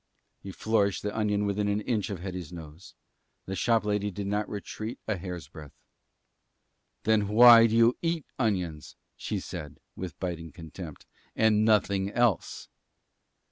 He flourished the onion within an inch of Hetty's nose. The shop lady did not retreat a hair's breadth. "Then why do you eat onions," she said, with biting contempt, "and nothing else?"